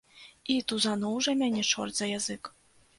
І тузануў жа мяне чорт за язык.